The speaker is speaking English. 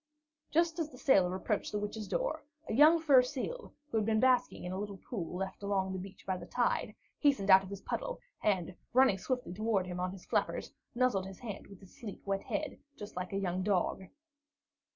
Just as the sailor approached the Witch's door, a young fur seal, who had been basking in a little pool left along the beach by the tide, hastened out of his puddle, and running swiftly toward him on his flappers, nuzzled his hand with his sleek, wet head, just like a young dog.